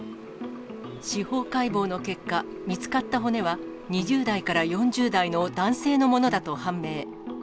司法解剖の結果、見つかった骨は、２０代から４０代の男性のものだと判明。